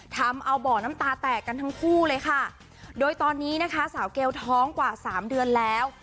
ทำเอาบ่อน้ำตาแตกกันทั้งคู่เลยค่ะโดยตอนนี้นะคะสาวเกลท้องกว่าสามเดือนแล้ว